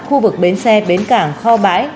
khu vực bến xe bến cảng kho bãi